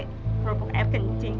kerupuk air kencing